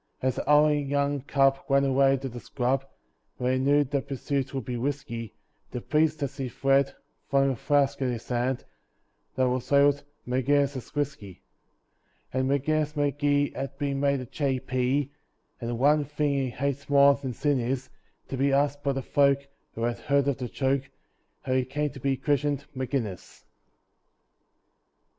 As the howling young cub ran away to the scrub Where he knew that pursuit would be risky, The priest, as he fled, flung a flask at his head That was labelled "Maginnis's Whisky"! And Maginnis Magee has been made a J.P., And the one thing he hates more than sin is To be asked by the folk, who have heard of the joke, How he came to be christened Maginnis!